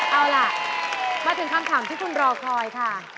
เอาล่ะมาถึงคำถามที่คุณรอคอยค่ะ